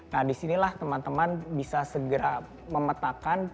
nah di sinilah teman teman bisa segera memetakan